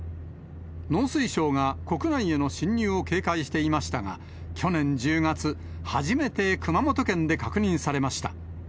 農水省が国内への侵入を警戒していましたが、去年１０月、初めて熊本県で確認されました。